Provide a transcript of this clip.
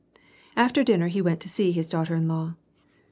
After dinner he went to see his daughter in law.